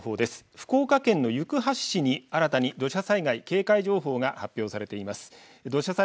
福岡県の行橋市に新たに土砂災害警戒情報が発表されています。